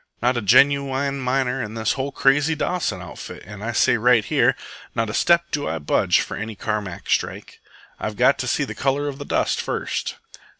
Not a genooine miner in this whole crazy Dawson outfit, and I say right here, not a step do I budge for any Carmack strike. I've got to see the colour of the dust first."